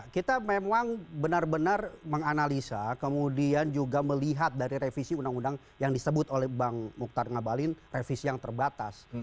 kita memang benar benar menganalisa kemudian juga melihat dari revisi undang undang yang disebut oleh bang mukhtar ngabalin revisi yang terbatas